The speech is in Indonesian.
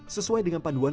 sesuai dengan panduan